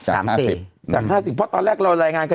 จาก๕๐เพราะตอนแรกเรารายงานกัน๑๙๑๙๑๙